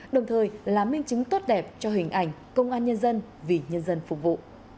đồng thời là minh chứng tốt đẹp cho hình ảnh công an nhân dân vì nhân dân phục vụ